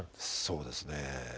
そうですね